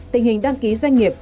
tình hình đăng ký doanh nghiệp